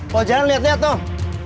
kalau jalan liat liat dong